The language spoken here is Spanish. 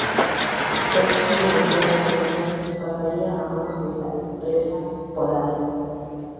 Pepsi Venezuela a los años pasaría a manos de Empresas Polar.